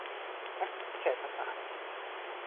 นักเศรษฐศาสตร์